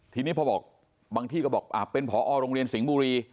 ทีนี้พอบอกบางที่ก็บอกเป็นผอโรงเรียนสิงห์บุรี